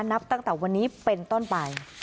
นับตั้งแต่วันนี้เป็นต้นไป